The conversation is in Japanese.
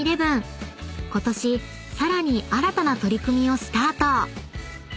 ［ことしさらに新たな取り組みをスタート］